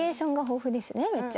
めっちゃ。